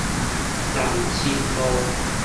南深路